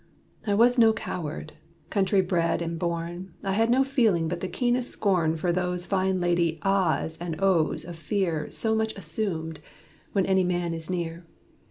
I was no coward. Country bred and born, I had no feeling but the keenest scorn For those fine lady "ah's" and "oh's" of fear So much assumed (when any man is near).